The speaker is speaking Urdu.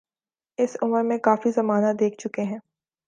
اس عمر میں کافی زمانہ دیکھ چکے ہیں۔